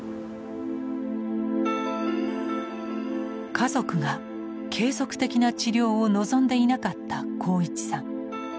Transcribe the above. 家族が継続的な治療を望んでいなかった鋼一さん。